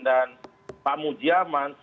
dan pak mujiaman